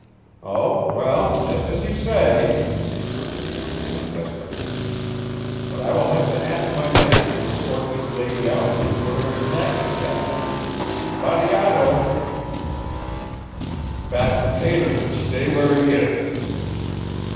"Oh, well just as you say," returned the young man desperately, "but I will have to ask my man to escort this lady out and put her in a taxicab. Bateato" "Bad Pertaters 'll stay where he is."